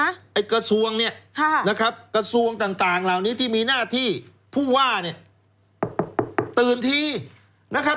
ไอ้กระทรวงเนี่ยนะครับกระทรวงต่างเหล่านี้ที่มีหน้าที่ผู้ว่าเนี่ยตื่นทีนะครับ